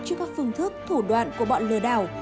trước các phương thức thủ đoạn của bọn lừa đảo